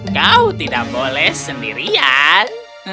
kau tidak boleh sendirian